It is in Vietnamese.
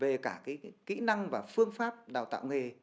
về cả kỹ năng và phương pháp đào tạo nghề